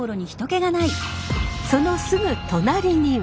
そのすぐ隣には。